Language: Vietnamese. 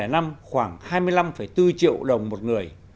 năm hai nghìn năm khoảng hai mươi năm bốn triệu đồng một người